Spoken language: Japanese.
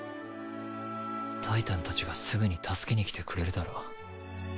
タイタンたちがすぐに助けにきてくれるだろ。